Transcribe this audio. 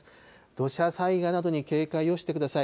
土砂災害などに警戒をしてください。